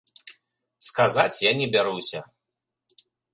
Сказаць я не бяруся.